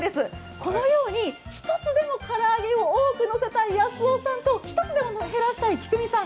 このように、１つでも唐揚げを多くのせたい康雄さんと、１つでも減らしたい喜久美さん。